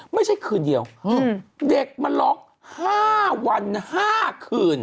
ไม่ใช่คืนเดียวเด็กมาล็อก๕วัน๕คืน